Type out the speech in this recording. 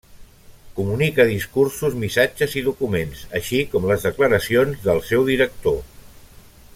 Comunica discursos, missatges i documents, així com les declaracions del seu director.